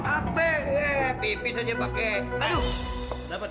apa eh pipis aja pakai aduh